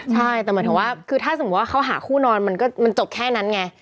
ใช่แต่หมายถึงว่าถ้าจะสมมติว่าเค้าหาคู่นอนมันจบแค่นั้นไง